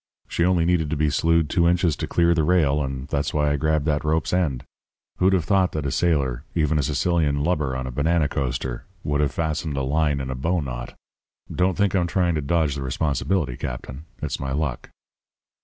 She only needed to be slewed two inches to clear the rail; and that's why I grabbed that rope's end. Who'd have thought that a sailor even a Sicilian lubber on a banana coaster would have fastened a line in a bow knot? Don't think I'm trying to dodge the responsibility, Captain. It's my luck.'